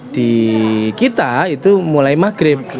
di kita itu mulai maghrib